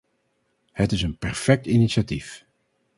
Het is een perfect initiatief.